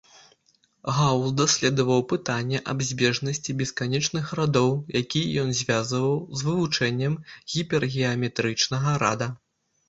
Гаус даследаваў пытанне аб збежнасці бесканечных радоў, якія ён звязаў з вывучэннем гіпергеаметрычнага рада.